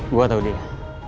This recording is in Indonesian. gue tau dia